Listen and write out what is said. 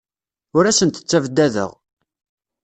Ur asent-ttabdadeɣ.